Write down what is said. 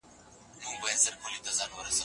آیا د ټولنیز تعامل تیورۍ د واقعیتونو سره سمون لري؟